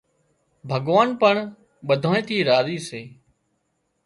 ڀڳوان پڻ ٻڌانئي ٿي راضي سي